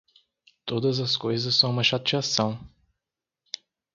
Todas as coisas são uma chateação.